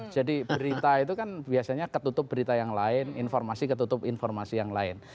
jadi berita itu kan biasanya ketutup berita yang lain informasi ketutup informasi yang lain